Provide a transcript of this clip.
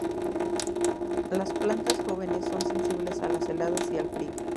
Las plantas jóvenes son sensibles a las heladas y al frío.